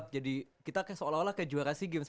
jadi kita seolah olah kayak juara sea games